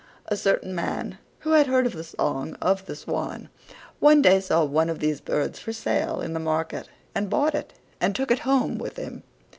A certain man, who had heard of the song of the Swan, one day saw one of these birds for sale in the market, and bought it and took it home with him.